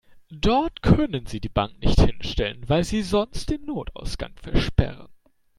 Dort können Sie die Bank nicht hinstellen, weil Sie sonst den Notausgang versperren.